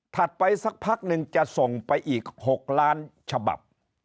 ไปสักพักหนึ่งจะส่งไปอีก๖ล้านฉบับ